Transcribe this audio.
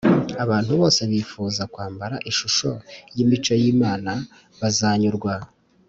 abantu bose bifuza kwambara ishusho y’imico y’imana bazanyurwa